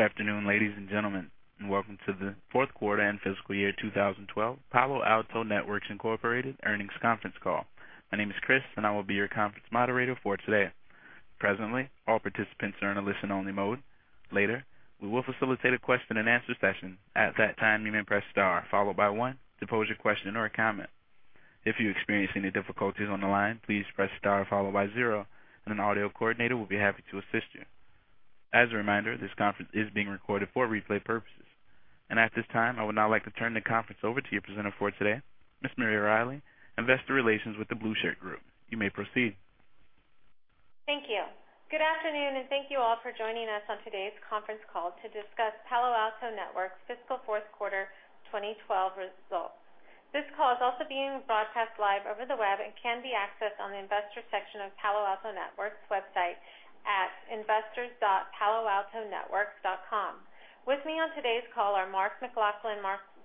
Good afternoon, ladies and gentlemen, and welcome to the fourth quarter and fiscal year 2012 Palo Alto Networks Incorporated earnings conference call. My name is Chris, and I will be your conference moderator for today. Presently, all participants are in a listen-only mode. Later, we will facilitate a question and answer session. At that time, you may press star followed by one to pose your question or a comment. If you experience any difficulties on the line, please press star followed by zero and an audio coordinator will be happy to assist you. As a reminder, this conference is being recorded for replay purposes. At this time, I would now like to turn the conference over to your presenter for today, Ms. Maria Riley, investor relations with The Blueshirt Group. You may proceed. Thank you. Good afternoon, and thank you all for joining us on today's conference call to discuss Palo Alto Networks' fiscal fourth quarter 2012 results. This call is also being broadcast live over the web and can be accessed on the investor section of Palo Alto Networks' website at investors.paloaltonetworks.com. With me on today's call are Mark McLaughlin,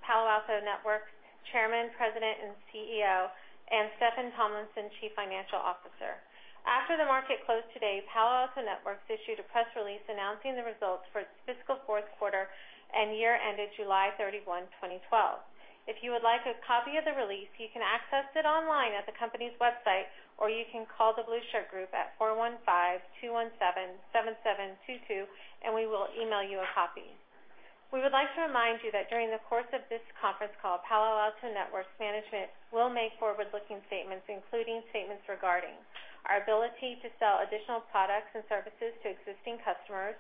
Palo Alto Networks chairman, president, and CEO, and Steffan Tomlinson, chief financial officer. After the market closed today, Palo Alto Networks issued a press release announcing the results for its fiscal fourth quarter and year ended July 31, 2012. If you would like a copy of the release, you can access it online at the company's website, or you can call The Blueshirt Group at 415-217-7722, we will email you a copy. We would like to remind you that during the course of this conference call, Palo Alto Networks management will make forward-looking statements, including statements regarding our ability to sell additional products and services to existing customers,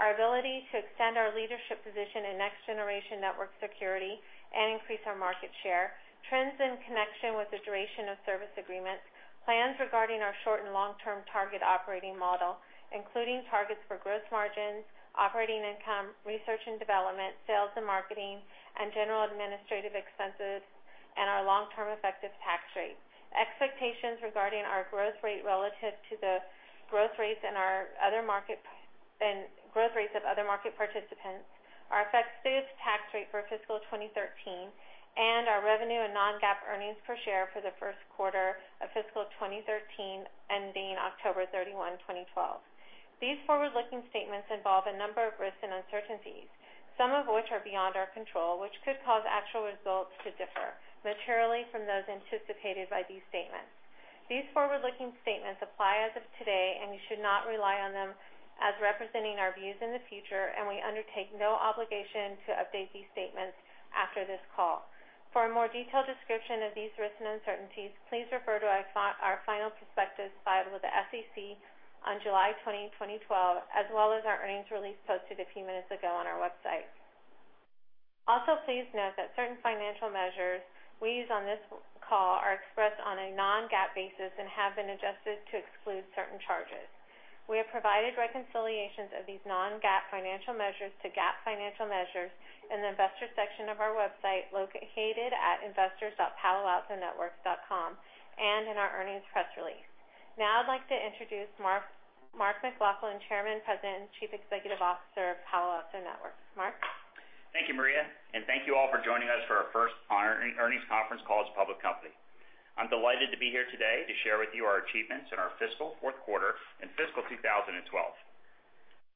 our ability to extend our leadership position in next-generation network security and increase our market share, trends in connection with the duration of service agreements, plans regarding our short and long-term target operating model, including targets for gross margins, operating income, research and development, sales and marketing, and general administrative expenses, and our long-term effective tax rate. Expectations regarding our growth rate relative to the growth rates of other market participants, our effective tax rate for fiscal 2013, and our revenue and non-GAAP earnings per share for the first quarter of fiscal 2013, ending October 31, 2012. These forward-looking statements involve a number of risks and uncertainties, some of which are beyond our control, which could cause actual results to differ materially from those anticipated by these statements. These forward-looking statements apply as of today. You should not rely on them as representing our views in the future. We undertake no obligation to update these statements after this call. For a more detailed description of these risks and uncertainties, please refer to our final prospectus filed with the SEC on July 20, 2012, as well as our earnings release posted a few minutes ago on our website. Also, please note that certain financial measures we use on this call are expressed on a non-GAAP basis and have been adjusted to exclude certain charges. We have provided reconciliations of these non-GAAP financial measures to GAAP financial measures in the investor section of our website, located at investors.paloaltonetworks.com, and in our earnings press release. Now I'd like to introduce Mark McLaughlin, chairman, president, and chief executive officer of Palo Alto Networks. Mark? Thank you, Maria. Thank you all for joining us for our first earnings conference call as a public company. I'm delighted to be here today to share with you our achievements in our fiscal fourth quarter and fiscal 2012.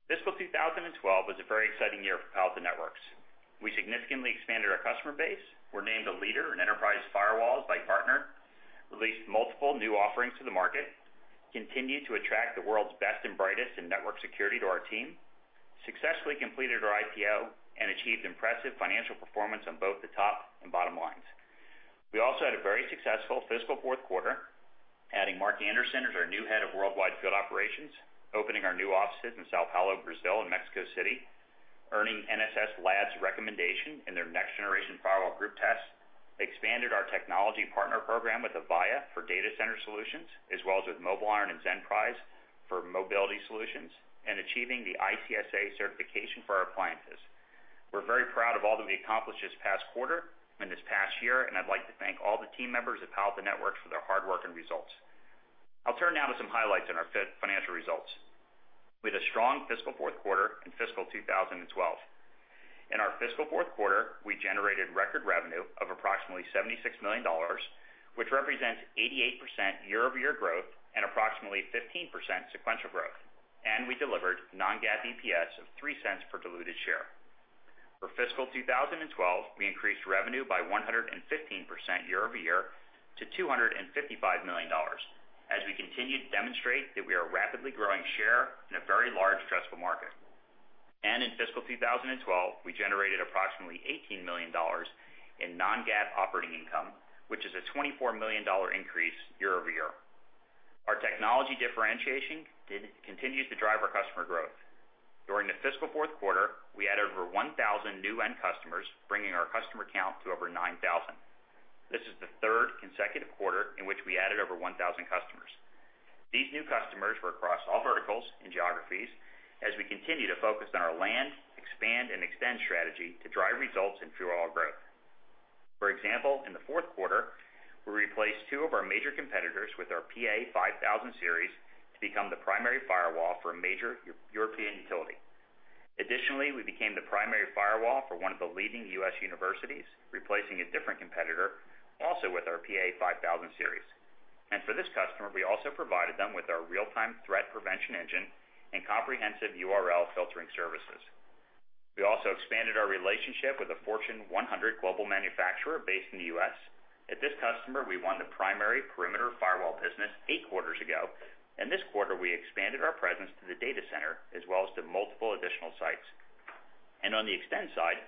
Fiscal 2012 was a very exciting year for Palo Alto Networks. We significantly expanded our customer base, were named a leader in enterprise firewalls by Gartner, released multiple new offerings to the market, continued to attract the world's best and brightest in network security to our team, successfully completed our IPO, and achieved impressive financial performance on both the top and bottom lines. We also had a very successful fiscal fourth quarter, adding Mark Anderson as our new head of worldwide field operations, opening our new offices in São Paulo, Brazil and Mexico City, earning NSS Labs recommendation in their next generation firewall group test, expanded our technology partner program with Avaya for data center solutions, as well as with MobileIron and Zenprise for mobility solutions, and achieving the ICSA certification for our appliances. We're very proud of all that we accomplished this past quarter and this past year. I'd like to thank all the team members at Palo Alto Networks for their hard work and results. I'll turn now to some highlights on our financial results. We had a strong fiscal fourth quarter in fiscal 2012. In our fiscal fourth quarter, we generated record revenue of approximately $76 million, which represents 88% year-over-year growth and approximately 15% sequential growth. We delivered non-GAAP EPS of $0.03 per diluted share. For fiscal 2012, we increased revenue by 115% year-over-year to $255 million, as we continue to demonstrate that we are a rapidly growing share in a very large addressable market. In fiscal 2012, we generated approximately $18 million in non-GAAP operating income, which is a $24 million increase year-over-year. Our technology differentiation continues to drive our customer growth. During the fiscal fourth quarter, we added over 1,000 new end customers, bringing our customer count to over 9,000. This is the third consecutive quarter in which we added over 1,000 customers. These new customers were across all verticals and geographies as we continue to focus on our land, expand, and extend strategy to drive results and fuel our growth. For example, in the fourth quarter, we replaced two of our major competitors with our PA-5000 Series to become the primary firewall for a major European utility. Additionally, we became the primary firewall for one of the leading U.S. universities, replacing a different competitor, also with our PA-5000 Series. For this customer, we also provided them with our real-time threat prevention engine and comprehensive URL filtering services. We also expanded our relationship with a Fortune 100 global manufacturer based in the U.S. At this customer, we won the primary perimeter firewall business eight quarters ago, and this quarter we expanded our presence to the data center as well as to multiple additional sites. On the extend side,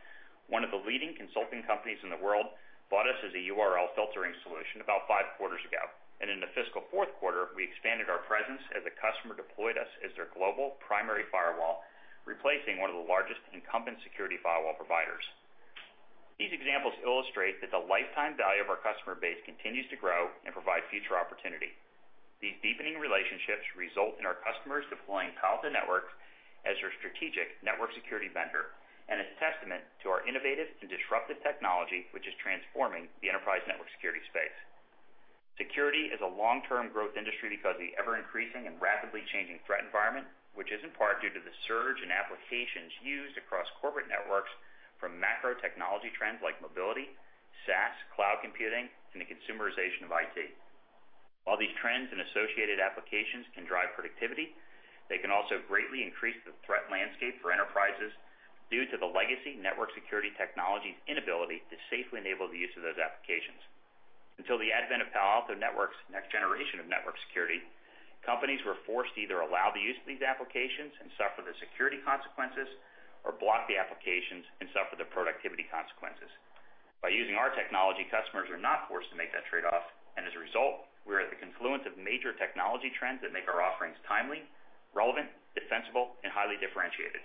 one of the leading consulting companies in the world bought us as a URL filtering solution about five quarters ago. In the fiscal fourth quarter, we expanded our presence as the customer deployed us as their global primary firewall, replacing one of the largest incumbent security firewall providers. These examples illustrate that the lifetime value of our customer base continues to grow and provide future opportunity. These deepening relationships result in our customers deploying Palo Alto Networks as their strategic network security vendor and is a testament to our innovative and disruptive technology, which is transforming the enterprise network security space. Security is a long-term growth industry because of the ever-increasing and rapidly changing threat environment, which is in part due to the surge in applications used across corporate networks from macro technology trends like mobility, SaaS, cloud computing, and the consumerization of IT. While these trends and associated applications can drive productivity, they can also greatly increase the threat landscape for enterprises due to the legacy network security technologies' inability to safely enable the use of those applications. Until the advent of Palo Alto Networks' next generation of network security, companies were forced to either allow the use of these applications and suffer the security consequences or block the applications and suffer the productivity consequences. By using our technology, customers are not forced to make that trade-off, as a result, we are at the confluence of major technology trends that make our offerings timely, relevant, defensible, and highly differentiated.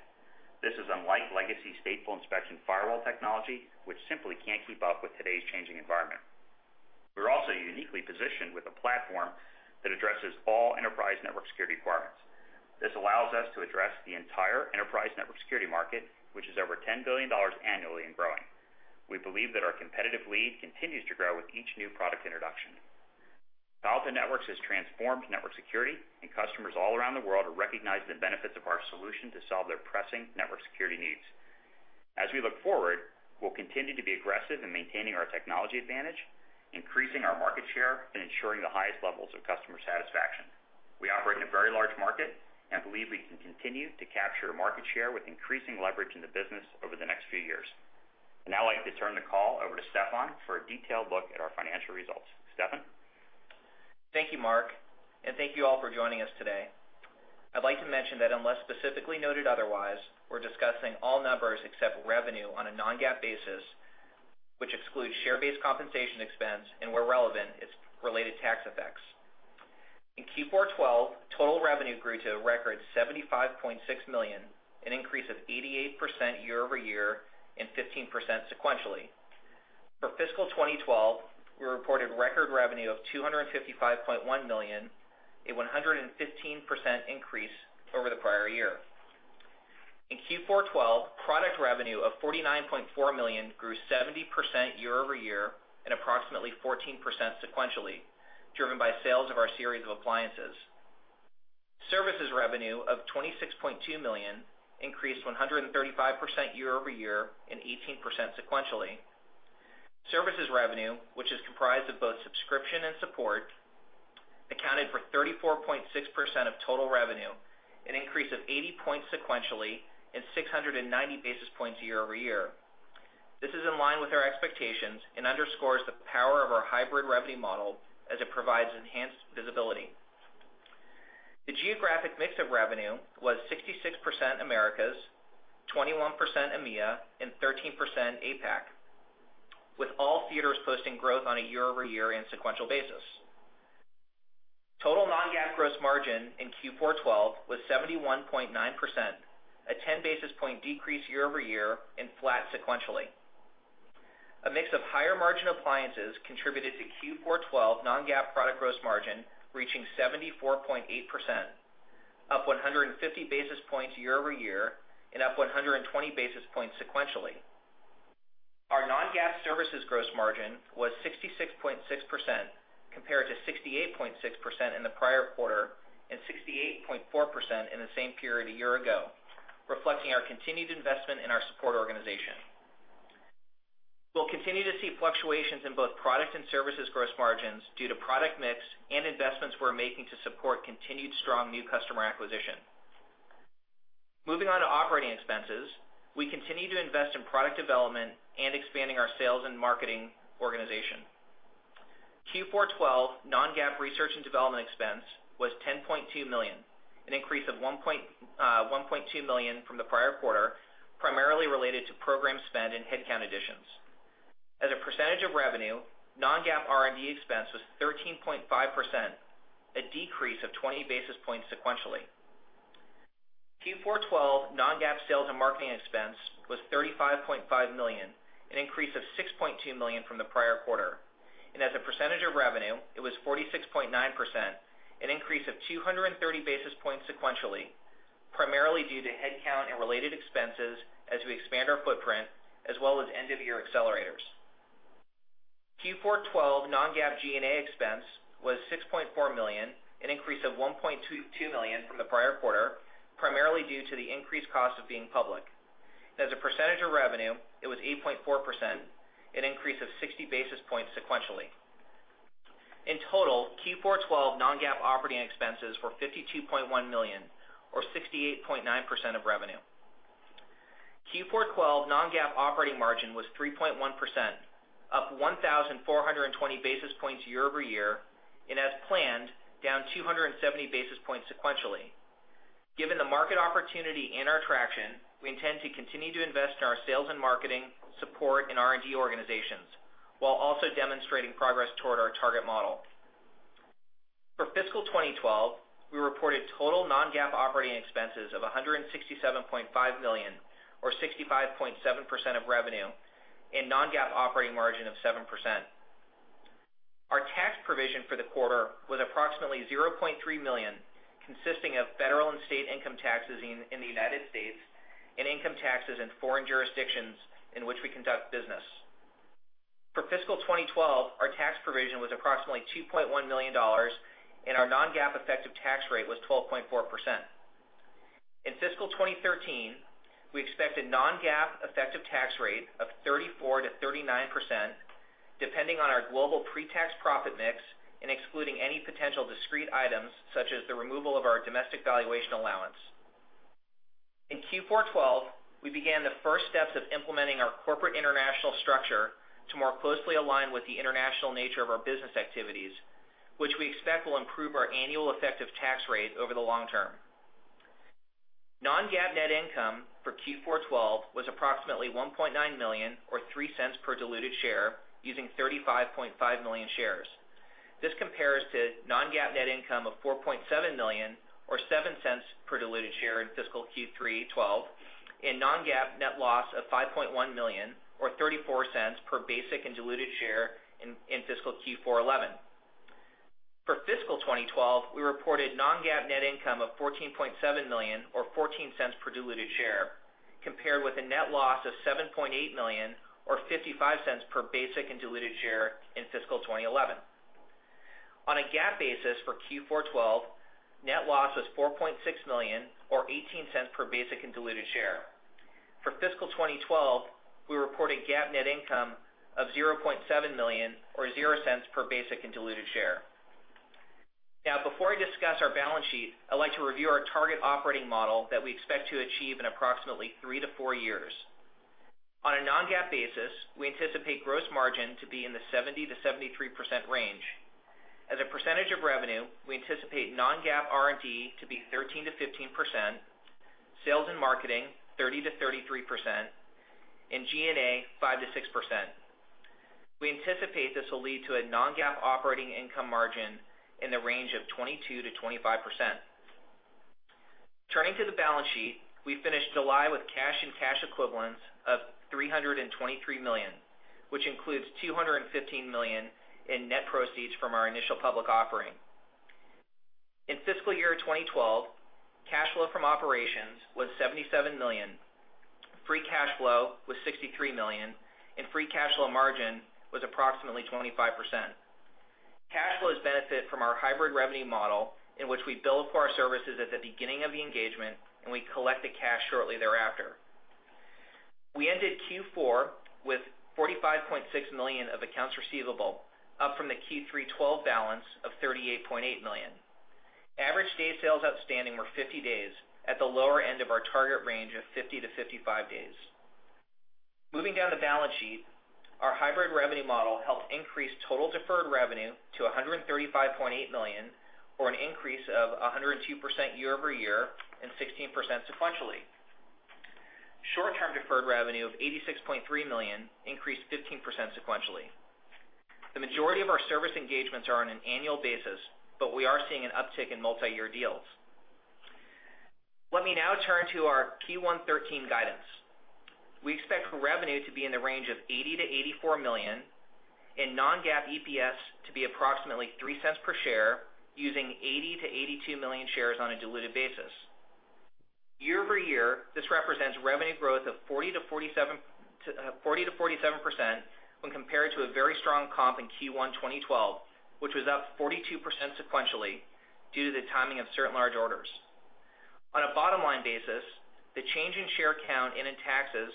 This is unlike legacy stateful inspection firewall technology, which simply can't keep up with today's changing environment. We're also uniquely positioned with a platform that addresses all enterprise network security requirements. This allows us to address the entire enterprise network security market, which is over $10 billion annually and growing. We believe that our competitive lead continues to grow with each new product introduction. Palo Alto Networks has transformed network security, customers all around the world recognize the benefits of our solution to solve their pressing network security needs. We look forward, we'll continue to be aggressive in maintaining our technology advantage, increasing our market share, and ensuring the highest levels of customer satisfaction. We operate in a very large market and believe we can continue to capture market share with increasing leverage in the business over the next few years. I'd now like to turn the call over to Steffan for a detailed look at our financial results. Steffan? Thank you, Mark, and thank you all for joining us today. I'd like to mention that unless specifically noted otherwise, we're discussing all numbers except revenue on a non-GAAP basis, which excludes share-based compensation expense and, where relevant, its related tax effects. In Q4 2012, total revenue grew to a record $75.6 million, an increase of 88% year-over-year and 15% sequentially. For fiscal 2012, we reported record revenue of $255.1 million, a 115% increase over the prior year. In Q4 2012, product revenue of $49.4 million grew 70% year-over-year and approximately 14% sequentially, driven by sales of our series of appliances. Services revenue of $26.2 million increased 135% year-over-year and 18% sequentially. Services revenue, which is comprised of both subscription and support, accounted for 34.6% of total revenue, an increase of 80 points sequentially and 690 basis points year-over-year. This is in line with our expectations and underscores the power of our hybrid revenue model as it provides enhanced visibility. The geographic mix of revenue was 66% Americas, 21% EMEA, and 13% APAC, with all theaters posting growth on a year-over-year and sequential basis. Total non-GAAP gross margin in Q4 2012 was 71.9%, a 10 basis point decrease year-over-year and flat sequentially. A mix of higher margin appliances contributed to Q4 2012 non-GAAP product gross margin reaching 74.8%, up 150 basis points year-over-year and up 120 basis points sequentially. Our non-GAAP services gross margin was 66.6%, compared to 68.6% in the prior quarter and 68.4% in the same period a year ago, reflecting our continued investment in our support organization. We'll continue to see fluctuations in both product and services gross margins due to product mix and investments we're making to support continued strong new customer acquisition. Moving on to operating expenses. We continue to invest in product development and expanding our sales and marketing organization. Q4 2012 non-GAAP research and development expense was $10.2 million, an increase of $1.2 million from the prior quarter, primarily related to program spend and headcount additions. As a percentage of revenue, non-GAAP R&D expense was 13.5%, a decrease of 20 basis points sequentially. Q4 2012 non-GAAP sales and marketing expense was $35.5 million, an increase of $6.2 million from the prior quarter. As a percentage of revenue, it was 46.9%, an increase of 230 basis points sequentially, primarily due to headcount and related expenses as we expand our footprint as well as end-of-year accelerators. Q4 2012 non-GAAP G&A expense was $6.4 million, an increase of $1.2 million from the prior quarter, primarily due to the increased cost of being public. As a percentage of revenue, it was 8.4%, an increase of 60 basis points sequentially. In total, Q4 2012 non-GAAP operating expenses were $52.1 million or 68.9% of revenue. Q4 2012 non-GAAP operating margin was 3.1%, up 1,420 basis points year-over-year, and as planned, down 270 basis points sequentially. Given the market opportunity and our traction, we intend to continue to invest in our sales and marketing, support, and R&D organizations, while also demonstrating progress toward our target model. For fiscal 2012, we reported total non-GAAP operating expenses of $167.5 million, or 65.7% of revenue, and non-GAAP operating margin of 7%. Our tax provision for the quarter was approximately $0.3 million, consisting of federal and state income taxes in the U.S. and income taxes in foreign jurisdictions in which we conduct business. For fiscal 2012, our tax provision was approximately $2.1 million, and our non-GAAP effective tax rate was 12.4%. In fiscal 2013, we expect a non-GAAP effective tax rate of 34%-39%, depending on our global pre-tax profit mix and excluding any potential discrete items, such as the removal of our domestic valuation allowance. In Q4 2012, we began the first steps of implementing our corporate international structure to more closely align with the international nature of our business activities, which we expect will improve our annual effective tax rate over the long term. Non-GAAP net income for Q4 2012 was approximately $1.9 million or $0.03 per diluted share using 35.5 million shares. This compares to non-GAAP net income of $4.7 million or $0.07 per diluted share in fiscal Q3 2012, and non-GAAP net loss of $5.1 million or $0.34 per basic and diluted share in fiscal Q4 2011. For fiscal 2012, we reported non-GAAP net income of $14.7 million or $0.14 per diluted share, compared with a net loss of $7.8 million or $0.55 per basic and diluted share in fiscal 2011. On a GAAP basis for Q4 2012, net loss was $4.6 million or $0.18 per basic and diluted share. For fiscal 2012, we reported GAAP net income of $0.7 million or $0.00 per basic and diluted share. Before I discuss our balance sheet, I'd like to review our target operating model that we expect to achieve in approximately three to four years. On a non-GAAP basis, we anticipate gross margin to be in the 70%-73% range. As a percentage of revenue, we anticipate non-GAAP R&D to be 13%-15%, sales and marketing 30%-33%, and G&A 5%-6%. We anticipate this will lead to a non-GAAP operating income margin in the range of 22%-25%. Turning to the balance sheet, we finished July with cash and cash equivalents of $323 million, which includes $215 million in net proceeds from our initial public offering. In fiscal year 2012, cash flow from operations was $77 million, free cash flow was $63 million, and free cash flow margin was approximately 25%. Cash flows benefit from our hybrid revenue model, in which we bill for our services at the beginning of the engagement, and we collect the cash shortly thereafter. We ended Q4 with $45.6 million of accounts receivable, up from the Q3 2012 balance of $38.8 million. Average day sales outstanding were 50 days, at the lower end of our target range of 50-55 days. Moving down the balance sheet, our hybrid revenue model helped increase total deferred revenue to $135.8 million, or an increase of 102% year-over-year and 16% sequentially. Short-term deferred revenue of $86.3 million increased 15% sequentially. The majority of our service engagements are on an annual basis, but we are seeing an uptick in multi-year deals. Let me now turn to our Q1 2013 guidance. We expect revenue to be in the range of $80 million-$84 million and non-GAAP EPS to be approximately $0.03 per share, using 80 million-82 million shares on a diluted basis. Year-over-year, this represents revenue growth of 40%-47% when compared to a very strong comp in Q1 2012, which was up 42% sequentially due to the timing of certain large orders. On a bottom-line basis, the change in share count and in taxes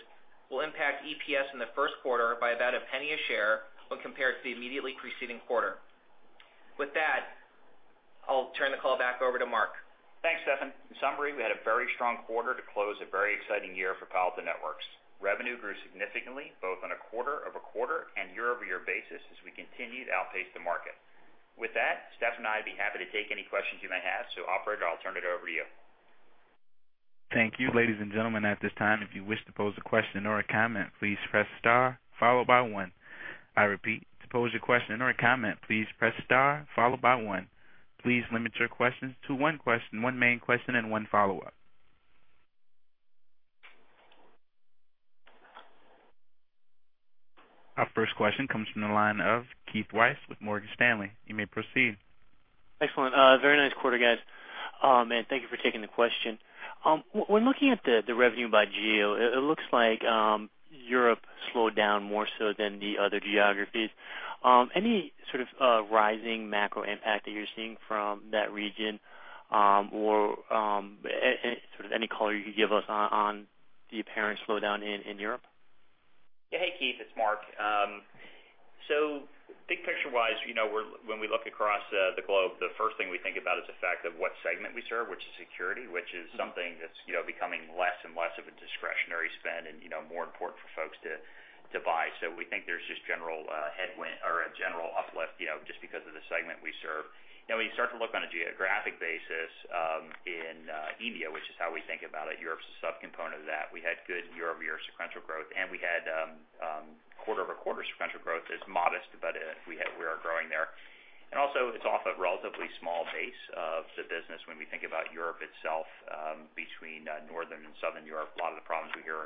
will impact EPS in the first quarter by about $0.01 a share when compared to the immediately preceding quarter. With that, I'll turn the call back over to Mark. Thanks, Steffan. In summary, we had a very strong quarter to close a very exciting year for Palo Alto Networks. Revenue grew significantly, both on a quarter-over-quarter and year-over-year basis, as we continued to outpace the market. With that, Steffan and I would be happy to take any questions you may have. Operator, I'll turn it over to you. Thank you. Ladies and gentlemen, at this time, if you wish to pose a question or a comment, please press star, followed by one. I repeat, to pose a question or a comment, please press star, followed by one. Please limit your questions to one question, one main question and one follow-up. Our first question comes from the line of Keith Weiss with Morgan Stanley. You may proceed. Excellent. Very nice quarter, guys. Thank you for taking the question. When looking at the revenue by geo, it looks like Europe slowed down more so than the other geographies. Any sort of rising macro impact that you're seeing from that region, or any color you could give us on the apparent slowdown in Europe? Yeah. Hey, Keith, it's Mark. Big picture-wise, when we look across the globe, the first thing we think about is the fact of what segment we serve, which is security, which is something that's becoming less and less of a discretionary spend and more important for folks to buy. We think there's just general headwind or a general uplift, just because of the segment we serve. When you start to look on a geographic basis, in EMEA, which is how we think about it, Europe's a subcomponent of that. We had good year-over-year sequential growth, and we had quarter-over-quarter sequential growth. It's modest, but we are growing there. Also, it's off a relatively small base of the business when we think about Europe itself, between Northern and Southern Europe, a lot of the problems we hear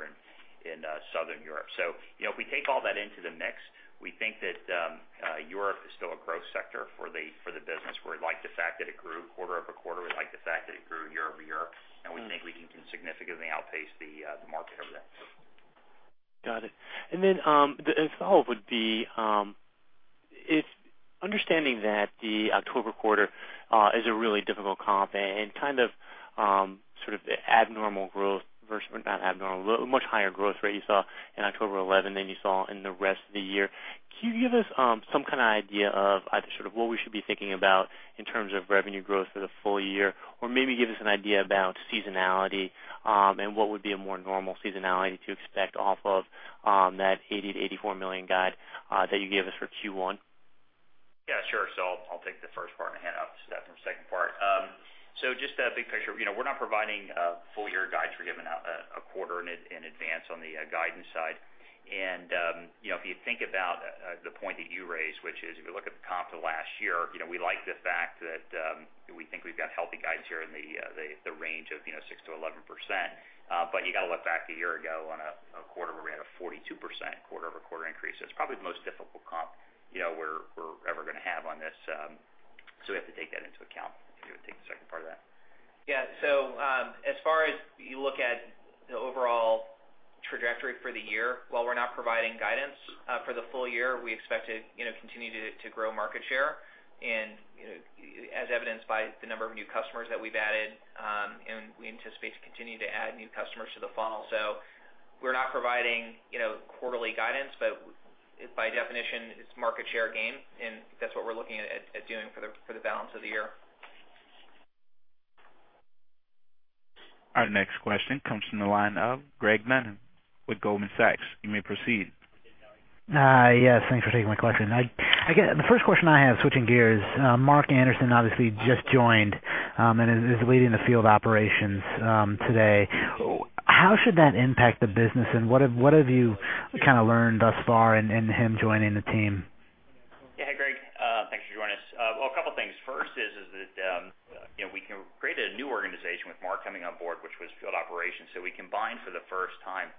in Southern Europe. If we take all that into the mix, we think that Europe is still a growth sector for the business. We like the fact that it grew quarter-over-quarter. We like the fact that it grew year-over-year, and we think we can significantly outpace the market over there. Got it. The follow-up would be, understanding that the October quarter is a really difficult comp and kind of abnormal growth versus much higher growth rate you saw in October 2011 than you saw in the rest of the year. Can you give us some kind of idea of either sort of what we should be thinking about in terms of revenue growth for the full year, or maybe give us an idea about seasonality, and what would be a more normal seasonality to expect off of that $80 million-$84 million guide that you gave us for Q1? Yeah, sure. I'll take the first part and hand off Steffan for the second part. Just a big picture. We're not providing full-year guides. We're giving out a quarter in advance on the guidance side. If you think about the point that you raised, which is if you look at the comp to last year, we like the fact that we think we've got healthy guides here in the range of 6%-11%. You got to look back a year ago on a quarter where we had a 42% quarter-over-quarter increase. It's probably the most difficult comp we're ever going to have on this. We have to take that into account. If you would take the second part of that. Yeah. As far as you look at the overall trajectory for the year, while we're not providing guidance for the full year, we expect to continue to grow market share and as evidenced by the number of new customers that we've added, and we anticipate to continue to add new customers to the funnel. We're not providing quarterly guidance, but by definition, it's market share gain, and that's what we're looking at doing for the balance of the year. Our next question comes from the line of Greg Dunham with Goldman Sachs. You may proceed. Yes, thanks for taking my question. The first question I have, switching gears, Mark Anderson obviously just joined, and is leading the Field Operations today. How should that impact the business, and what have you kind of learned thus far in him joining the team? Yeah. Hey, Greg. Thanks for joining us. A couple things. First is that we created a new organization with Mark coming on board, which was Field Operations. We combined for the first time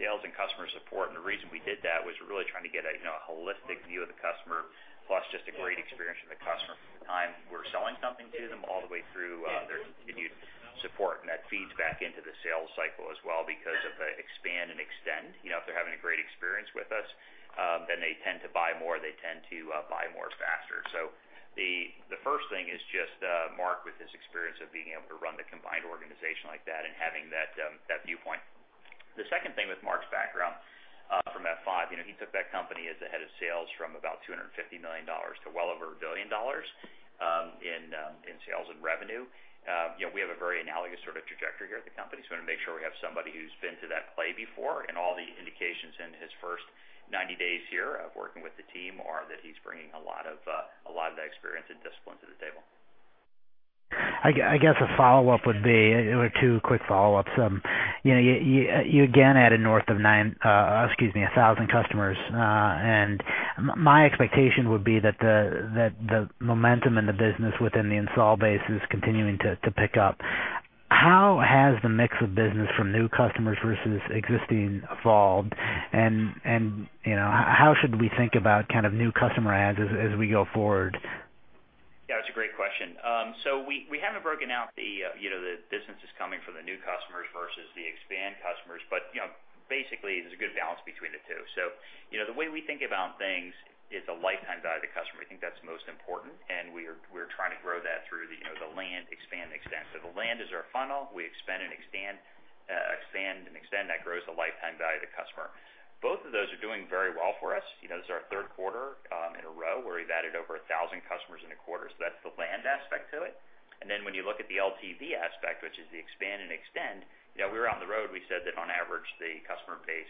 sales and customer support, and the reason we did that was really trying to get a holistic view of the customer, plus just a great experience from the customer from the time we're selling something to them all the way through their continued support. That feeds back into the sales cycle as well because of the expand and extend. If they're having a great experience with us, they tend to buy more, they tend to buy more faster. The first thing is just Mark with his experience of being able to run the combined organization like that and having that viewpoint. The second thing with Mark's background from F5, he took that company as the head of sales from about $250 million to well over $1 billion in sales and revenue. We have a very analogous sort of trajectory here at the company, so we want to make sure we have somebody who's been to that play before, and all the indications in his first 90 days here of working with the team are that he's bringing a lot of that experience and discipline to the table. I guess a follow-up would be, or two quick follow-ups. You again added north of 1,000 customers. My expectation would be that the momentum in the business within the install base is continuing to pick up. How has the mix of business from new customers versus existing evolved, and how should we think about kind of new customer adds as we go forward? Yeah, that's a great question. We haven't broken out the business that's coming from the new customers versus the expand customers. Basically, there's a good balance between the two. The way we think about things is the lifetime value of the customer. We think that's most important, and we're trying to grow that through the land, expand, and extend. The land is our funnel. We expand and extend, and that grows the lifetime value of the customer. Both of those are doing very well for us. This is our third quarter in a row where we've added over 1,000 customers in a quarter. That's the land aspect to it. When you look at the LTV aspect, which is the expand and extend, when we were on the road, we said that on average, the customer base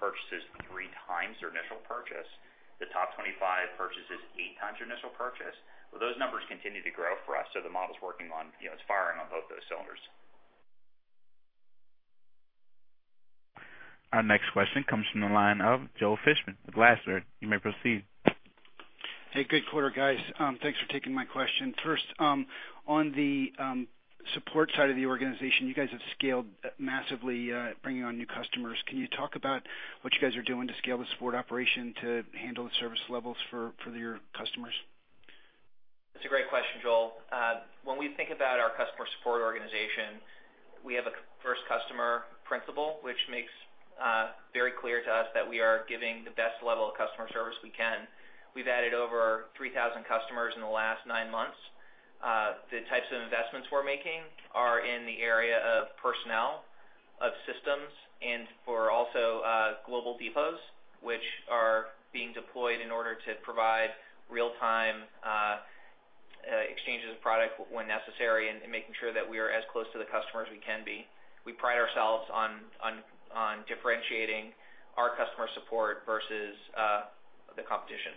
purchases three times their initial purchase. The top 25 purchases eight times their initial purchase. Well, those numbers continue to grow for us, the model's firing on both those cylinders. Our next question comes from the line of Joel Fishbein with Lazard. You may proceed. Hey, good quarter, guys. Thanks for taking my question. First, on the support side of the organization, you guys have scaled massively, bringing on new customers. Can you talk about what you guys doing to scale the support operation to handle the service levels for your customers? That's a great question, Joel. When we think about our customer support organization, we have a first customer principle, which makes very clear to us that we are giving the best level of customer service we can. We've added over 3,000 customers in the last nine months The types of investments we're making are in the area of personnel, of systems, and for also global depots, which are being deployed in order to provide real-time exchanges of product when necessary and making sure that we are as close to the customer as we can be. We pride ourselves on differentiating our customer support versus the competition.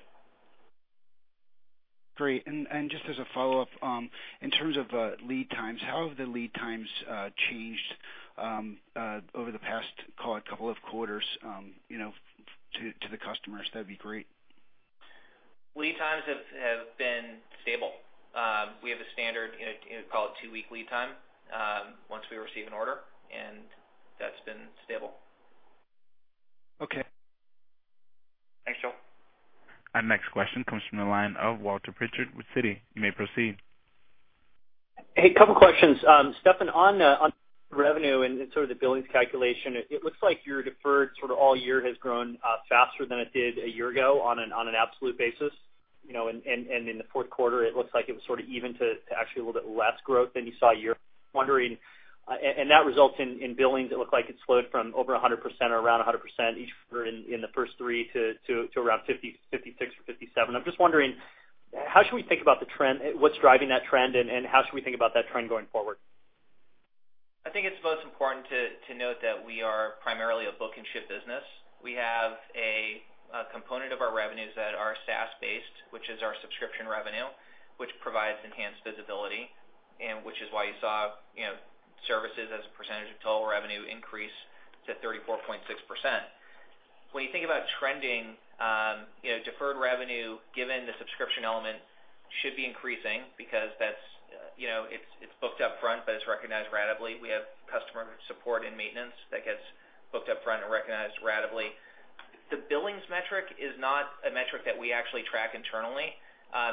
Great. Just as a follow-up, in terms of lead times, how have the lead times changed over the past, call it, couple of quarters to the customers? That'd be great. Lead times have been stable. We have a standard, call it two-week lead time once we receive an order, that's been stable. Okay. Thanks, Joel. Our next question comes from the line of Walter Pritchard with Citi. You may proceed. Couple questions. Steffan, on revenue and sort of the billings calculation, it looks like your deferred sort of all year has grown faster than it did a year ago on an absolute basis. In the fourth quarter, it looks like it was sort of even to actually a little bit less growth than you saw a year. That results in billings, it looked like it slowed from over 100% or around 100% each quarter in the first three to around 56% or 57%. I'm just wondering, how should we think about the trend? What's driving that trend, and how should we think about that trend going forward? I think it's most important to note that we are primarily a book and ship business. We have a component of our revenues that are SaaS-based, which is our subscription revenue, which provides enhanced visibility, which is why you saw services as a percentage of total revenue increase to 34.6%. When you think about trending, deferred revenue, given the subscription element, should be increasing because it's booked up front, but it's recognized ratably. We have customer support and maintenance that gets booked up front and recognized ratably. The billings metric is not a metric that we actually track internally.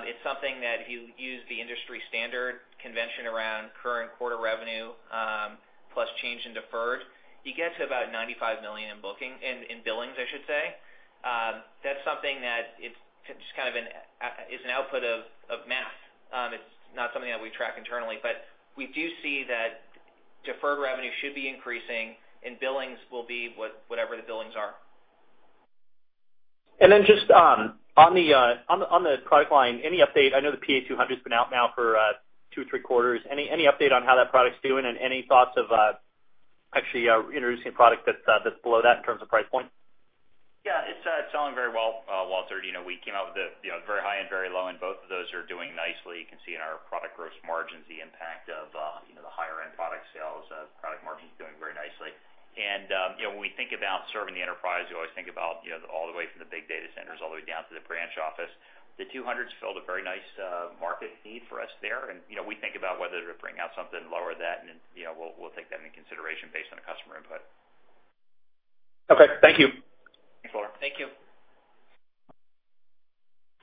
It's something that if you use the industry-standard convention around current quarter revenue, plus change in deferred, you get to about $95 million in billings, I should say. That's something that it's an output of math. It's not something that we track internally. We do see that deferred revenue should be increasing, and billings will be whatever the billings are. On the product line, any update? I know the PA-200's been out now for two, three quarters. Any update on how that product's doing, and any thoughts of actually introducing a product that's below that in terms of price point? Yeah, it's selling very well, Walter. We came out with the very high and very low, both of those are doing nicely. You can see in our product gross margins the impact of the higher-end product sales. Product margin's doing very nicely. When we think about serving the enterprise, we always think about all the way from the big data centers all the way down to the branch office. The PA-200's filled a very nice market need for us there, and we think about whether to bring out something lower than that, and we'll take that into consideration based on the customer input. Okay, thank you. Thanks, Walter. Thank you.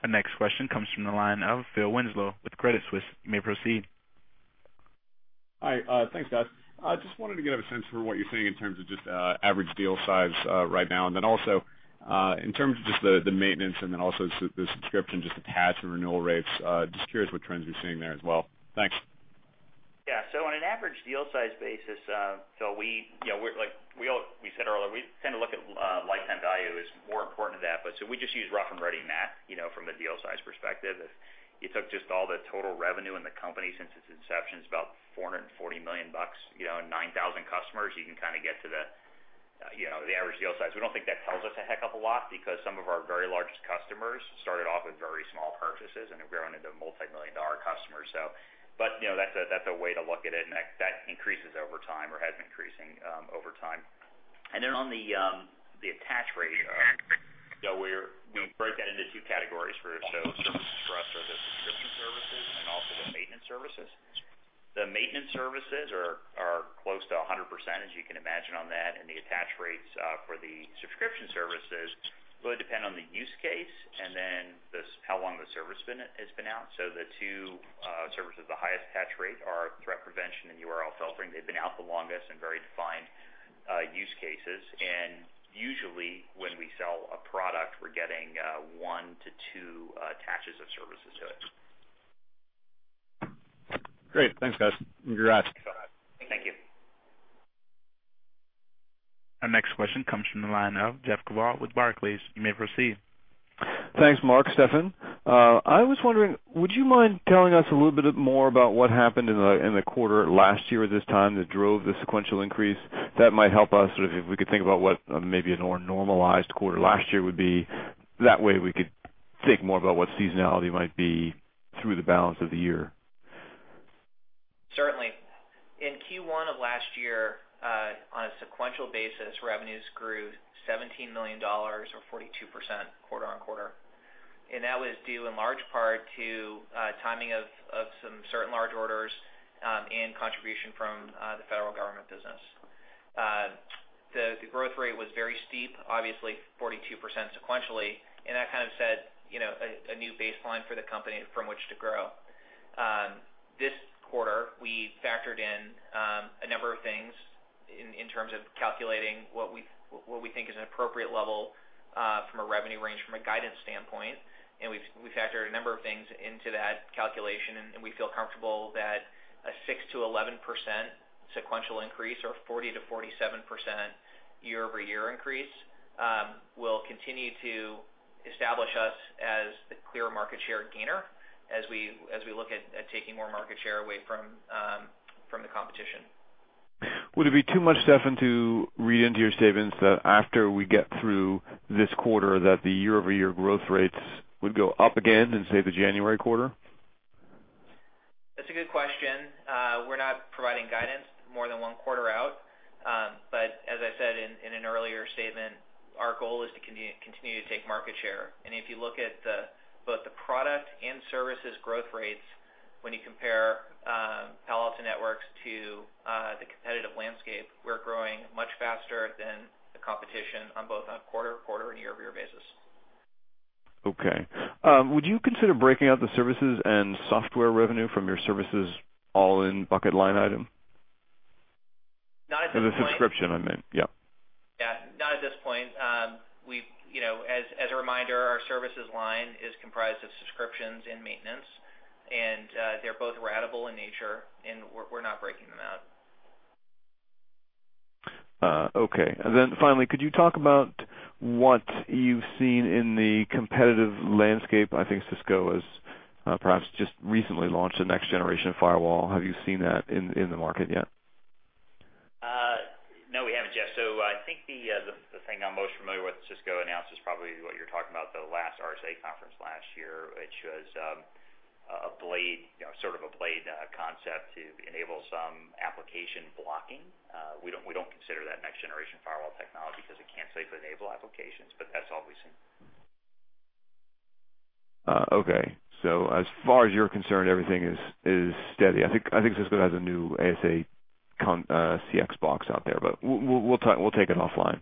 Our next question comes from the line of Phil Winslow with Credit Suisse. You may proceed. Hi. Thanks, guys. Just wanted to get a sense for what you're seeing in terms of just average deal size right now, and then also in terms of just the maintenance and then also the subscription, just attach and renewal rates. Just curious what trends you're seeing there as well. Thanks. Yeah. On an average deal size basis, Phil, we said earlier, we tend to look at lifetime value as more important to that, but so we just use rough and ready math from a deal size perspective. If you took just all the total revenue in the company since its inception, it's about $440 million and 9,000 customers. You can kind of get to the average deal size. We don't think that tells us a heck of a lot because some of our very largest customers started off with very small purchases and have grown into multimillion-dollar customers. That's a way to look at it, that increases over time or has been increasing over time. On the attach rate, Phil, we break that into two categories. Services for us are the subscription services and also the maintenance services. The maintenance services are close to 100%, as you can imagine on that, the attach rates for the subscription services really depend on the use case and then how long the service has been out. The two services with the highest attach rate are threat prevention and URL filtering. They've been out the longest in very defined use cases. Usually when we sell a product, we're getting one to two attaches of services to it. Great. Thanks, guys, and congrats. Thanks, Phil. Thank you. Our next question comes from the line of Jeff Kvaal with Barclays. You may proceed. Thanks, Mark, Steffan. I was wondering, would you mind telling us a little bit more about what happened in the quarter last year at this time that drove the sequential increase? That might help us if we could think about what maybe a more normalized quarter last year would be. That way, we could think more about what seasonality might be through the balance of the year. Certainly. In Q1 of last year, on a sequential basis, revenues grew $17 million, or 42% quarter-on-quarter, That was due in large part to timing of some certain large orders and contribution from the federal government business. The growth rate was very steep, obviously 42% sequentially, That kind of set a new baseline for the company from which to grow. This quarter, we factored in a number of things In terms of calculating what we think is an appropriate level from a revenue range, from a guidance standpoint, and we factor a number of things into that calculation, and we feel comfortable that a 6%-11% sequential increase or 40%-47% year-over-year increase will continue to establish us as the clear market share gainer as we look at taking more market share away from the competition. Would it be too much, Stefan, to read into your statements that after we get through this quarter, that the year-over-year growth rates would go up again in, say, the January quarter? That's a good question. We're not providing guidance more than one quarter out. As I said in an earlier statement, our goal is to continue to take market share. If you look at both the product and services growth rates, when you compare Palo Alto Networks to the competitive landscape, we're growing much faster than the competition on both a quarter-to-quarter and year-over-year basis. Okay. Would you consider breaking out the services and software revenue from your services all-in bucket line item? Not at this point. The subscription, I meant. Yeah. Yeah. Not at this point. As a reminder, our services line is comprised of subscriptions and maintenance, and they're both ratable in nature, and we're not breaking them out. Okay. Finally, could you talk about what you've seen in the competitive landscape? I think Cisco has perhaps just recently launched the next generation firewall. Have you seen that in the market yet? No, we haven't, Jeff. I think the thing I'm most familiar with Cisco announced is probably what you're talking about, the last RSA Conference last year, which was sort of a blade concept to enable some application blocking. We don't consider that next generation firewall technology because it can't safely enable applications. That's all we've seen. Okay. As far as you're concerned, everything is steady. I think Cisco has a new ASA CX box out there. We'll take it offline.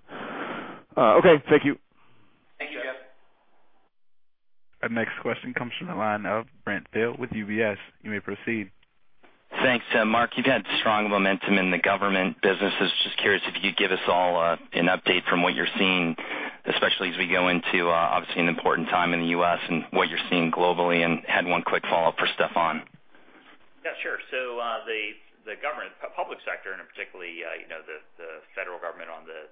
Okay, thank you. Thank you, Jeff. Our next question comes from the line of Brent Thill with UBS. You may proceed. Thanks. Mark, you've had strong momentum in the government business. I was just curious if you could give us all an update from what you're seeing, especially as we go into obviously an important time in the U.S., and what you're seeing globally, and had one quick follow-up for Stefan. Yeah, sure. The public sector, and particularly the federal government on the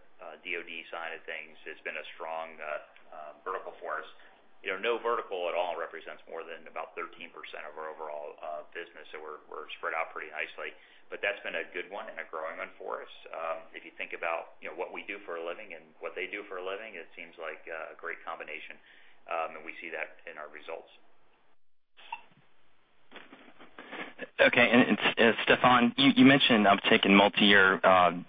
DoD side of things, has been a strong vertical for us. No vertical at all represents more than about 13% of our overall business, so we're spread out pretty nicely. That's been a good one and a growing one for us. If you think about what we do for a living and what they do for a living, it seems like a great combination, and we see that in our results. Okay. Stefan, you mentioned uptake in multi-year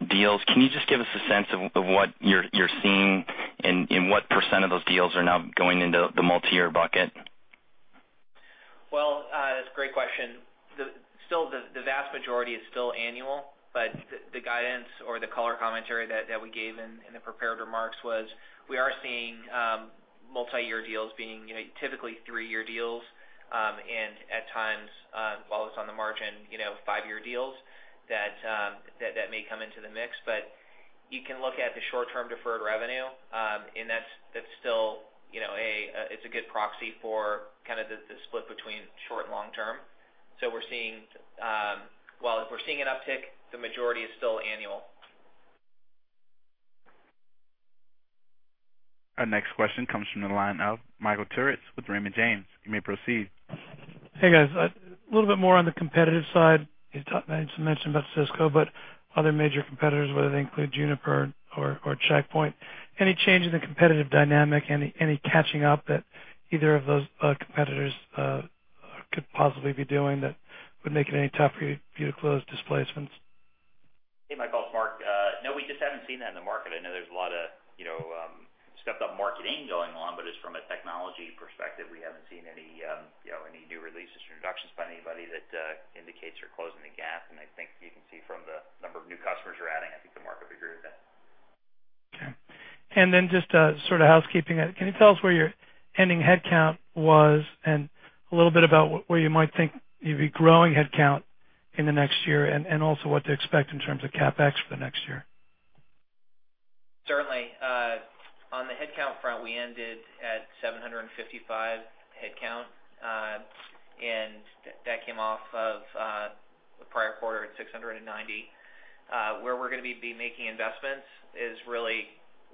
deals. Can you just give us a sense of what you're seeing and what % of those deals are now going into the multi-year bucket? Well, that's a great question. The vast majority is still annual, the guidance or the color commentary that we gave in the prepared remarks was we are seeing multi-year deals being typically three-year deals, and at times, while it's on the margin, five-year deals that may come into the mix. You can look at the short-term deferred revenue, and it's a good proxy for the split between short and long-term. While we're seeing an uptick, the majority is still annual. Our next question comes from the line of Michael Turits with Raymond James. You may proceed. Hey, guys. A little bit more on the competitive side. You mentioned about Cisco, other major competitors, whether they include Juniper or Check Point, any change in the competitive dynamic? Any catching up that either of those competitors could possibly be doing that would make it any tougher for you to close displacements? Hey, Michael. It's Mark. No, we just haven't seen that in the market. I know there's a lot of stepped-up marketing going on, just from a technology perspective, we haven't seen any new releases or introductions by anybody that indicates they're closing the gap. I think you can see from the number of new customers we're adding, I think the market would agree with that. Then just sort of housekeeping, can you tell us where your ending headcount was and a little bit about where you might think you'd be growing headcount in the next year, and also what to expect in terms of CapEx for the next year? Certainly. On the headcount front, we ended at 755 headcount, that came off of the prior quarter at 690. Where we're going to be making investments is really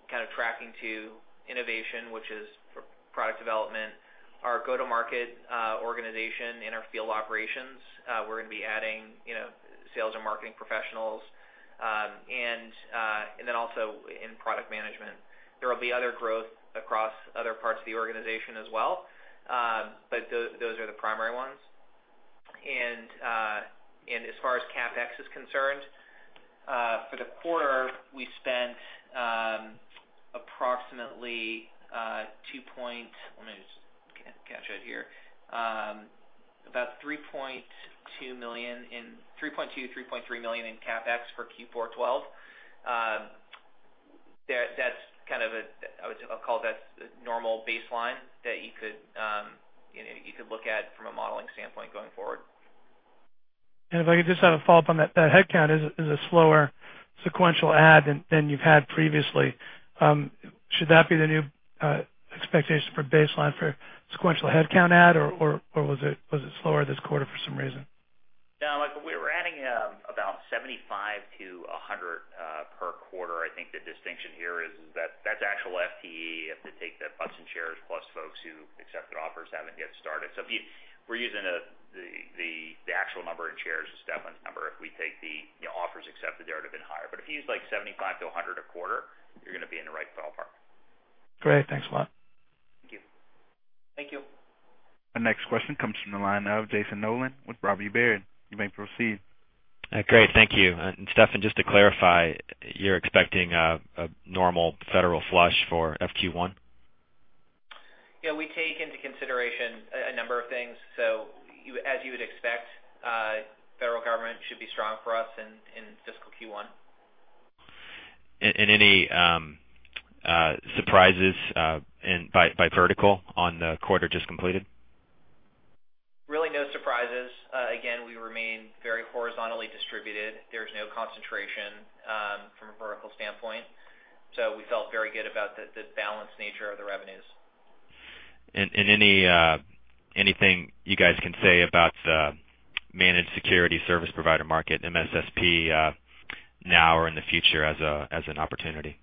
kind of tracking to innovation, which is for product development. Our go-to-market organization and our field operations, we're going to be adding sales and marketing professionals, then also in product management. There will be other growth across other parts of the organization as well, but those are the primary ones. As far as CapEx is concerned, for the quarter, we spent approximately. Let me just catch it here. About $3.2 million and $3.3 million in CapEx for Q4 2012. I'll call that normal baseline that you could look at from a modeling standpoint going forward. If I could just have a follow-up on that. That headcount is a slower sequential add than you've had previously. Should that be the new expectation for baseline for sequential headcount add, or was it slower this quarter for some reason? No, Michael, we were adding about 75 to 100 per quarter. I think the distinction here is that that's actual FTE. If we take the butts in chairs plus folks who accepted offers, haven't yet started. If we're using the actual number of chairs as Devin's number. If we take the offers accepted, they would have been higher. If you use 75 to 100 a quarter, you're going to be in the right ballpark. Great. Thanks a lot. Thank you. Thank you. Our next question comes from the line of Jayson Noland with Robert Baird. You may proceed. Great. Thank you. Steffan, just to clarify, you're expecting a normal federal flush for FQ1? Yeah, we take into consideration a number of things. As you would expect, federal government should be strong for us in fiscal Q1. Any surprises by vertical on the quarter just completed? Really no surprises. Again, we remain very horizontally distributed. There's no concentration from a vertical standpoint. We felt very good about the balanced nature of the revenues. Anything you guys can say about the managed security service provider market, MSSP, now or in the future as an opportunity?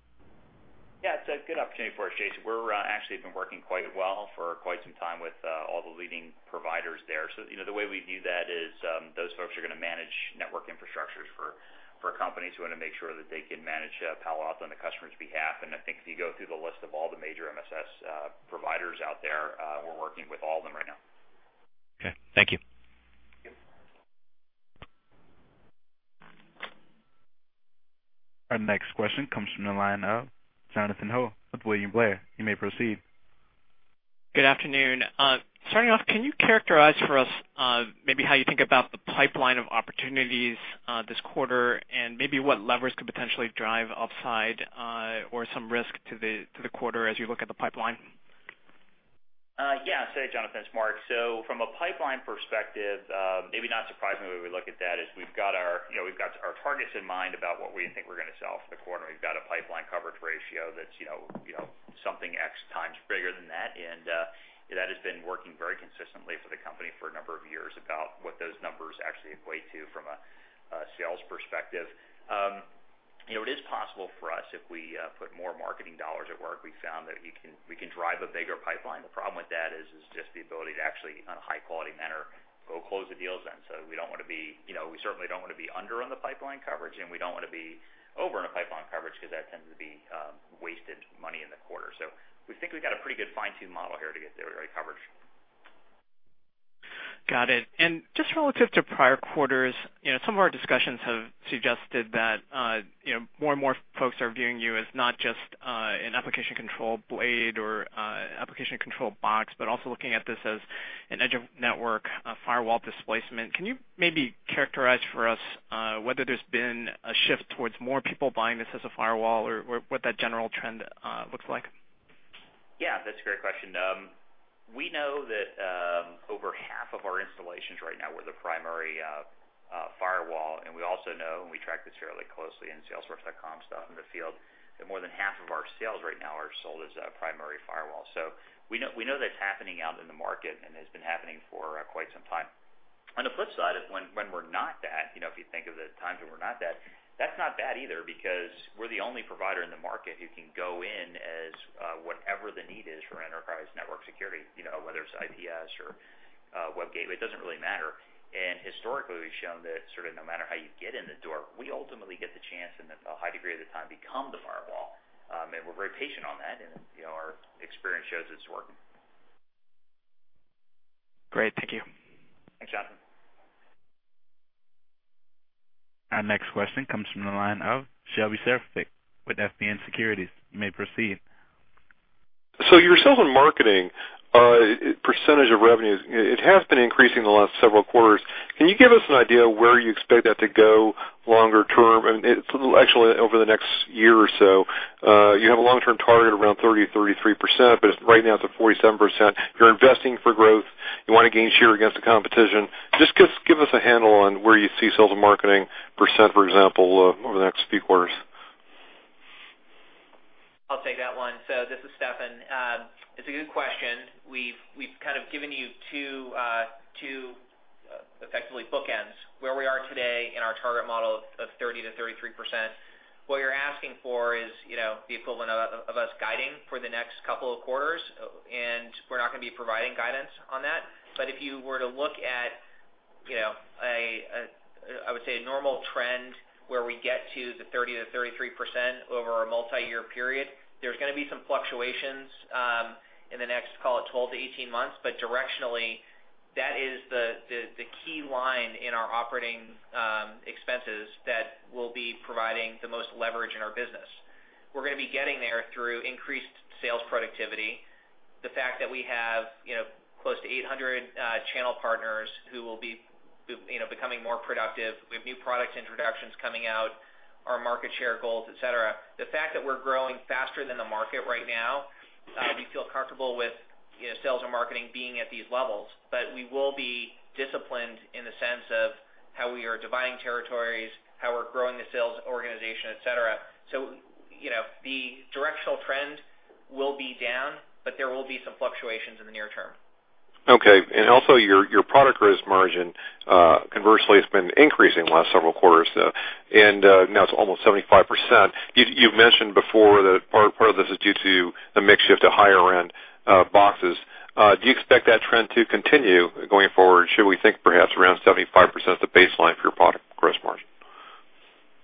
Yeah, it's a good opportunity for us, Jayson. We're actually been working quite well for quite some time with all the leading providers there. The way we view that is, those folks are going to manage network infrastructures for companies who want to make sure that they can manage Palo Alto on the customer's behalf. I think if you go through the list of all the major MSS providers out there, we're working with all of them right now. Okay. Thank you. Yep. Our next question comes from the line of Jonathan Ho with William Blair. You may proceed. Good afternoon. Starting off, can you characterize for us maybe how you think about the pipeline of opportunities this quarter and maybe what levers could potentially drive upside, or some risk to the quarter as you look at the pipeline? Yeah. I'd say, Jonathan, it's Mark. From a pipeline perspective, maybe not surprisingly, we look at that as we've got our targets in mind about what we think we're going to sell for the quarter. We've got a pipeline coverage ratio that's something X times bigger than that. That has been working very consistently for the company for a number of years about what those numbers actually equate to from a sales perspective. It is possible for us if we put more marketing dollars at work, we found that we can drive a bigger pipeline. The problem with that is just the ability to actually, on a high-quality manner, go close the deals then. We certainly don't want to be under on the pipeline coverage, and we don't want to be over on the pipeline coverage because that tends to be wasted money in the quarter. We think we've got a pretty good fine-tuned model here to get the right coverage. Got it. Just relative to prior quarters, some of our discussions have suggested that more and more folks are viewing you as not just an application control blade or application control box, but also looking at this as an edge of network firewall displacement. Can you maybe characterize for us whether there's been a shift towards more people buying this as a firewall or what that general trend looks like? Yeah, that's a great question. We know that over half of our installations right now, we're the primary firewall, and we also know, and we track this fairly closely in Salesforce.com stuff in the field, that more than half of our sales right now are sold as a primary firewall. We know that's happening out in the market and has been happening for quite some time. On the flip side is when we're not that, if you think of the times when we're not that's not bad either, because we're the only provider in the market who can go in as whatever the need is for enterprise network security whether it's IPS or web gateway, it doesn't really matter. Historically, we've shown that sort of no matter how you get in the door, we ultimately get the chance and a high degree of the time become the firewall. We're very patient on that, and our experience shows it's working. Great. Thank you. Thanks, Jonathan. Our next question comes from the line of Shebly Seyrafi with FBN Securities. You may proceed. Your sales and marketing percentage of revenues, it has been increasing the last several quarters. Can you give us an idea where you expect that to go longer term? It's actually over the next year or so. You have a long-term target around 30%-33%, but right now it's at 47%. You're investing for growth. You want to gain share against the competition. Just give us a handle on where you see sales and marketing percent, for example, over the next few quarters. I'll take that one. This is Steffan. It's a good question. We've kind of given you two effectively bookends where we are today in our target model of 30%-33%. What you're asking for is the equivalent of us guiding for the next couple of quarters, and we're not going to be providing guidance on that. If you were to look at, I would say a normal trend where we get to the 30%-33% over a multi-year period, there's going to be some fluctuations, in the next, call it 12-18 months. Directionally, that is the key line in our operating expenses that will be providing the most leverage in our business. We're going to be getting there through increased sales productivity. The fact that we have close to 800 channel partners who will be becoming more productive. We have new product introductions coming out, our market share goals, et cetera. The fact that we're growing faster than the market right now, we feel comfortable with sales and marketing being at these levels. We will be disciplined in the sense of how we are dividing territories, how we're growing the sales organization, et cetera. The directional trend will be down, but there will be some fluctuations in the near term. Okay. Your product gross margin, conversely, has been increasing the last several quarters, and now it's almost 75%. You've mentioned before that part of this is due to the mix shift to higher-end boxes. Do you expect that trend to continue going forward? Should we think perhaps around 75% is the baseline for your product gross margin?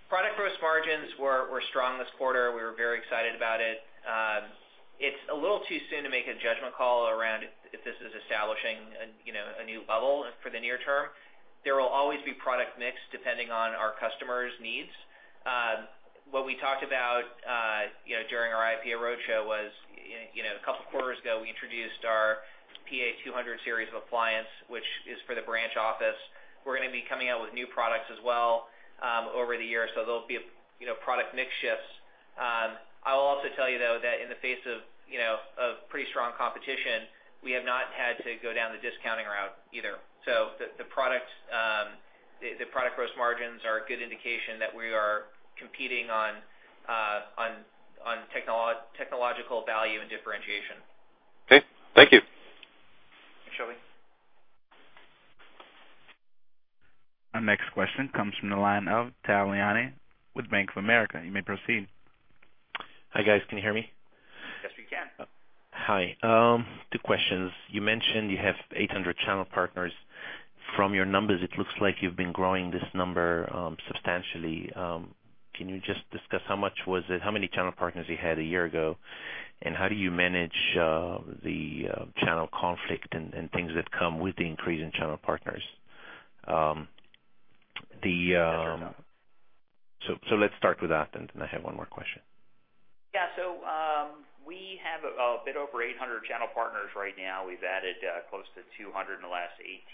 Product gross margins were strong this quarter. We were very excited about it. It's a little too soon to make a judgment call around if this is establishing a new level for the near term. There will always be product mix depending on our customers' needs. What we talked about during our IPO roadshow was, a couple of quarters ago, we introduced our PA-200 series of appliance, which is for the branch office. We're going to be coming out with new products as well over the year, so there'll be product mix shifts. I will also tell you, though, that in the face of pretty strong competition, we have not had to go down the discounting route either. The product gross margins are a good indication that we are competing on technological value and differentiation. Okay. Thank you. Thanks, Shebly. Our next question comes from the line of Tal Liani with Bank of America. You may proceed. Hi, guys. Can you hear me? Yes, we can. Hi. Two questions. You mentioned you have 800 channel partners. From your numbers, it looks like you've been growing this number substantially. Can you just discuss how much was it, how many channel partners you had a year ago, and how do you manage the channel conflict and things that come with the increase in channel partners? Sure. Let's start with that, and then I have one more question. Yeah. We have a bit over 800 channel partners right now. We've added close to 200 in the last 18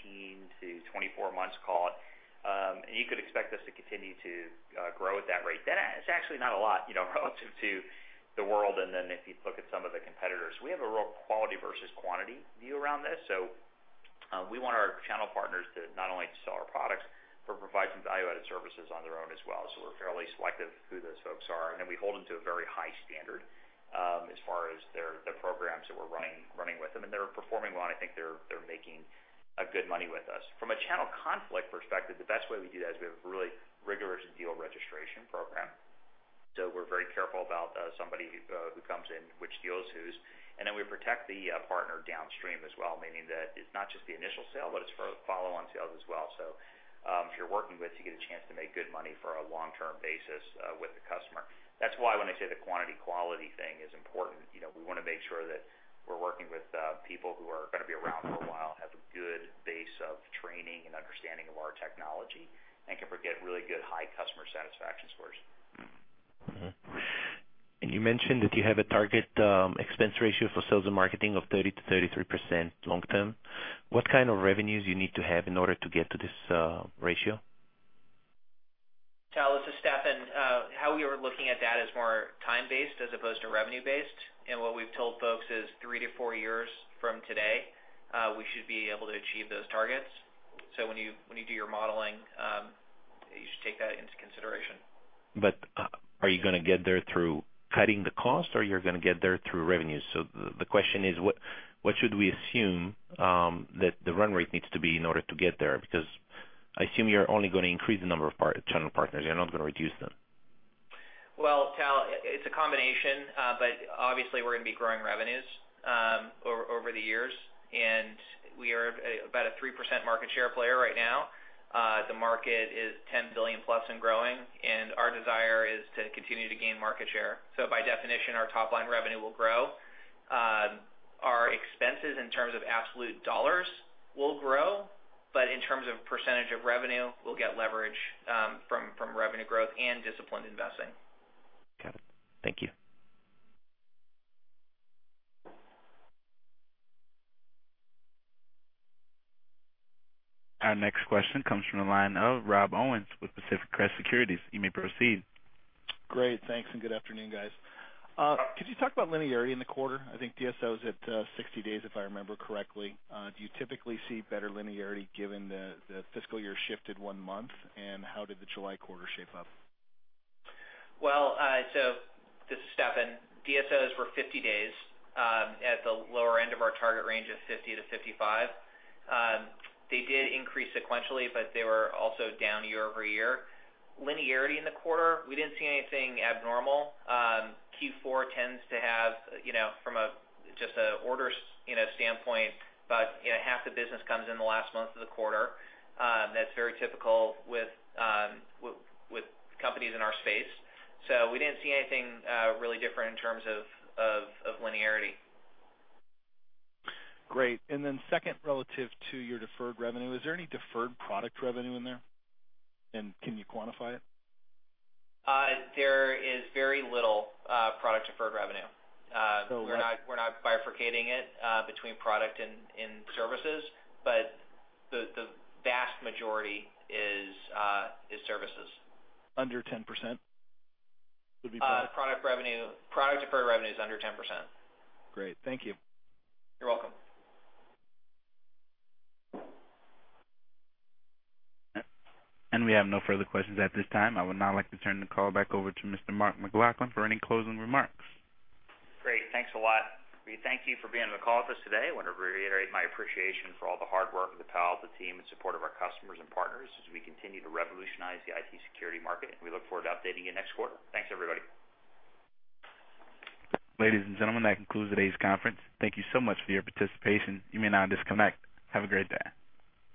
to 24 months, call it. You could expect us to continue to grow at that rate. That is actually not a lot, relative to the world and then if you look at some of the competitors. We have a real quality versus quantity view around this. We want our channel partners to not only sell our products but provide some value-added services on their own as well. We're fairly selective who those folks are, and then we hold them to a very high standard as far as their programs that we're running with them. They're performing well, and I think they're making good money with us. From a channel conflict perspective, the best way we do that is we have a really rigorous deal registration program. We're very careful about somebody who comes in, which deal is whose. Then we protect the partner downstream as well, meaning that it's not just the initial sale, but it's follow-on sales as well. If you're working with, you get a chance to make good money for a long-term basis with the customer. That's why when I say the quantity, quality thing is important, we want to make sure that we're working with people who are going to be around for a while, have a good base of training and understanding of our technology, and can get really good high customer satisfaction scores. Mm-hmm. You mentioned that you have a target expense ratio for sales and marketing of 30%-33% long term. What kind of revenues you need to have in order to get to this ratio? Tal, this is Steffan. How we are looking at that is more time-based as opposed to revenue-based. What we've told folks is three to four years from today, we should be able to achieve those targets. When you do your modeling, you should take that into consideration. Are you going to get there through cutting the cost, or you're going to get there through revenue? The question is, what should we assume that the run rate needs to be in order to get there? Because I assume you're only going to increase the number of channel partners. You're not going to reduce them. Well, Tal, it's a combination. Obviously, we're going to be growing revenues over the years, and we are about a 3% market share player right now. The market is $10 billion-plus and growing, our desire is to continue to gain market share. By definition, our top-line revenue will grow. Our expenses in terms of absolute dollars will grow, but in terms of percentage of revenue, we'll get leverage from revenue growth and disciplined investing. Got it. Thank you. Our next question comes from the line of Rob Owens with Pacific Crest Securities. You may proceed. Great. Thanks, and good afternoon, guys. Could you talk about linearity in the quarter? I think DSO is at 60 days, if I remember correctly. Do you typically see better linearity given the fiscal year shifted one month? How did the July quarter shape up? This is Steffan. DSOs were 50 days, at the lower end of our target range of 50-55. They did increase sequentially, but they were also down year-over-year. Linearity in the quarter, we didn't see anything abnormal. Q4 tends to have, from just an orders standpoint, but half the business comes in the last month of the quarter. That's very typical with companies in our space. We didn't see anything really different in terms of linearity. Great. Second, relative to your deferred revenue, is there any deferred product revenue in there, and can you quantify it? There is very little product deferred revenue. So less- We're not bifurcating it between product and services, but the vast majority is services. Under 10%, would be correct? Product deferred revenue is under 10%. Great. Thank you. You're welcome. We have no further questions at this time. I would now like to turn the call back over to Mr. Mark McLaughlin for any closing remarks. Great. Thanks a lot. We thank you for being on the call with us today. I want to reiterate my appreciation for all the hard work of the Palo Alto team in support of our customers and partners as we continue to revolutionize the IT security market, and we look forward to updating you next quarter. Thanks, everybody. Ladies and gentlemen, that concludes today's conference. Thank you so much for your participation. You may now disconnect. Have a great day.